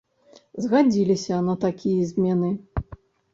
Згадзіліся на такія змены.